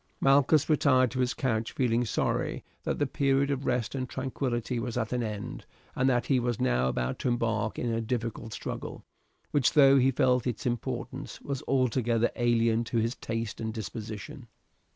Malchus retired to his couch feeling sorry that the period of rest and tranquillity was at an end, and that he was now about to embark in a difficult struggle, which, though he felt its importance, was altogether alien to his taste and disposition.